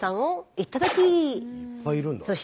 いっぱいいるんだな。